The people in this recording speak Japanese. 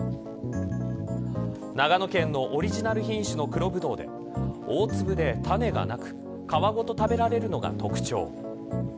長野県のオリジナル品種の黒ブドウで大粒で種がなく皮ごと食べられるのが特徴。